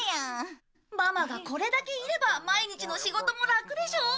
ママがこれだけいれば毎日の仕事もラクでしょ？